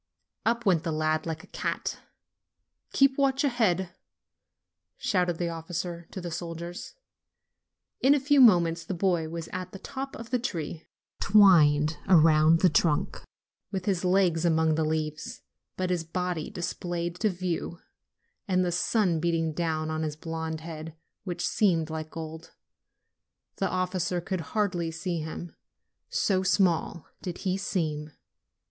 Up went the lad like a cat. "Keep watch ahead!" shouted the officer to the soldiers. In a few moments the boy was at the top of the tree, twined around the trunk, with his legs among the leaves, but his body displayed to view, and the sun 50 NOVEMBER beating down on his blonde head, which seemed like gold. The officer could hardly see him, so small did he seem.